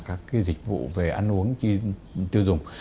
các dịch vụ về ăn uống tiêu dùng